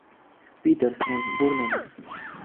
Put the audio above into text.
Peter's" en Bournemouth.